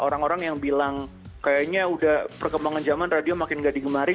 orang orang yang bilang kayaknya udah perkembangan zaman radio makin nggak digemari